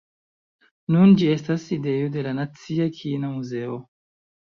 Nun ĝi estas sidejo de la nacia kina muzeo.